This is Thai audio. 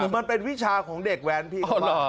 มันเป็นวิชาของเด็กแวนพี่